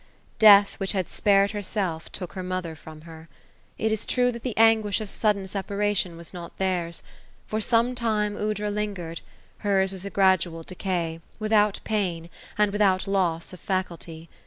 Death, which had spared herself, took her mother from her. It is true that the anguish of sudden separation was not theirs. For some time Aoudra lingered ; hers was a gradual decay, without pain, and with out loss of faculty.